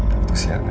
untuk siang ya